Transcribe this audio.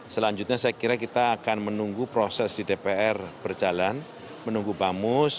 selanjutnya saya kira kita akan menunggu proses di dpr berjalan menunggu bamus